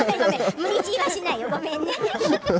無理強いはしないよ、ごめんね。